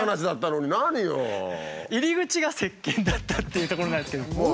入り口がせっけんだったっていうところなんですけど。